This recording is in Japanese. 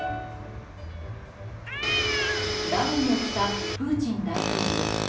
ダウンを着たプーチン大統領。